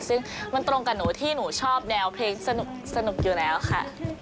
ซึ่งมันตรงกับหนูที่หนูชอบแนวเพลงสนุกอยู่แล้วค่ะ